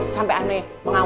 sampai ane pengamu